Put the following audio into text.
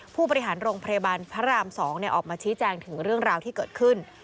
ผู้บริหารโรงพยาบาลพระราม๒ออกมาชี้แจงถึงเรื่องราวที่เกิดขึ้น